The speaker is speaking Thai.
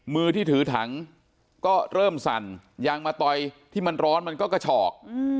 มือที่ถือถังก็เริ่มสั่นยางมะตอยที่มันร้อนมันก็กระฉอก